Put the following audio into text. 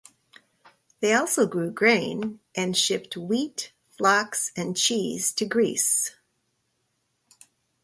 They also grew grain, and shipped wheat, flocks, and cheese to Greece.